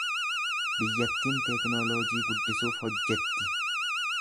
Biyyattiin teknooloojii guddisuuf hojjetti.